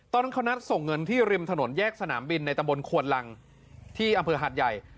ตอนนั้นเขานัดส่งเงินที่ริมถนนแยกสนามบินในตำบลควนลังที่อำเภอหาดใหญ่